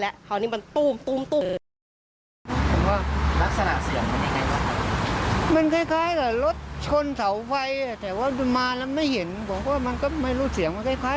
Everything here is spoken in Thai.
ดังจนหูอื้อเลย